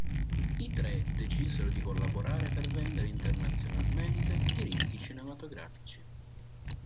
I tre decisero di collaborare per vendere internazionalmente diritti cinematografici.